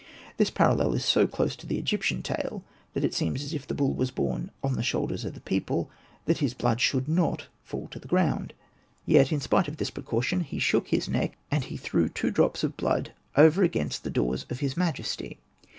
This parallel is so close to the Egyptian tale that it seems as if the bull was borne " on the shoulders of the people," that his blood should not fall to the ground ; yet in spite ot Hosted by Google REMARKS 83 this precaution '' he shook his neck, and he threw two drops of blood over against the doors of his majesty."